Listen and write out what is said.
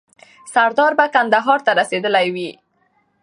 سردار به کندهار ته رسېدلی وي.